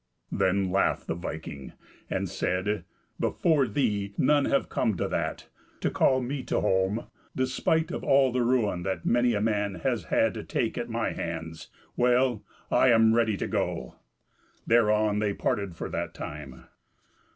Then laughed the viking, and said, "Before thee none have come to that, to call me to holm, despite of all the ruin that many a man has had to take at my hands. Well, I am ready to go." Thereon they parted for that time.